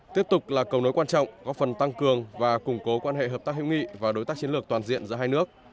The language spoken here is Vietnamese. tiếp tục là cầu nối quan trọng góp phần tăng cường và củng cố quan hệ hợp tác hiệu nghị và đối tác chiến lược toàn diện giữa hai nước